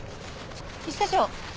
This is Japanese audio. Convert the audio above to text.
一課長。